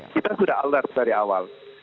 kita sudah alert dari awal